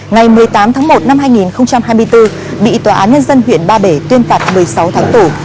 ngày một mươi tám tháng một năm hai nghìn hai mươi bốn bị tòa án nhân dân huyện ba bể tuyên phạt một mươi sáu tháng tù